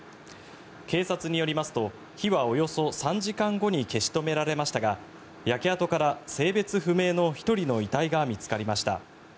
警察によりますと火はおよそ３時間後に消し止められましたが焼け跡から性別不明の１人の遺体が見つかりました。